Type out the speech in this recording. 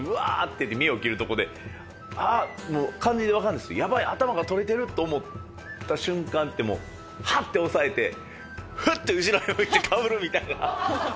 いって見えを切るとこでもう完全にわかるんですけど「やばい頭が取れてる」と思った瞬間ってハッて押さえてフッて後ろを向いてかぶるみたいな。